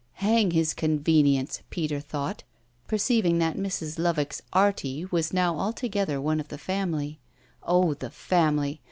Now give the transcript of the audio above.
"Hang his convenience!" Peter thought, perceiving that Mrs. Lovick's "Arty" was now altogether one of the family. Oh the family!